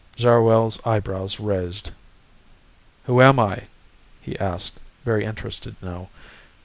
Zarwell's eyebrows raised. "Who am I?" he asked, very interested now.